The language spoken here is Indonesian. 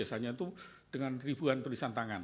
biasanya itu dengan ribuan tulisan tangan